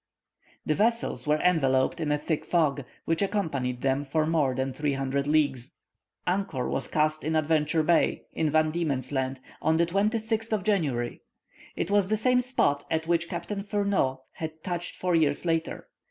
The vessels were enveloped in a thick fog, which accompanied them for more than 300 leagues. Anchor was cast in Adventure Bay, in Van Diemen's Land, on the 26th of January. It was the same spot at which Captain Furneaux had touched four years earlier.